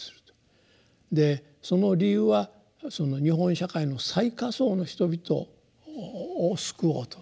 でその理由は日本社会の最下層の人々を救おうと。